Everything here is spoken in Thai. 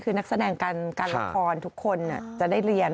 คือนักแสดงการละครทุกคนจะได้เรียน